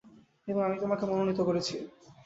এবং আমি তোমাকে মনোনীত করেছি।